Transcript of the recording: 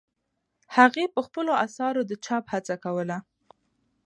هغې په خپلو اثارو د چاپ هڅه کوله.